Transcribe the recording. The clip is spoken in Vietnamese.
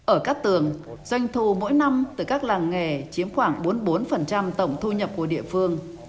ở các tường doanh thu mỗi năm từ các làng nghề chiếm khoảng bốn mươi bốn tổng thu nhập của địa phương